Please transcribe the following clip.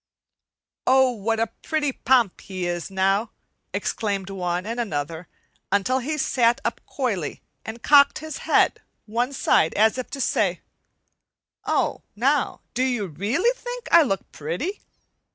"Oh, what a pretty Pomp he is now!" exclaimed one and another, until he sat up coyly and cocked his head one side as if to say: "Oh, now, do you really think I look pretty?"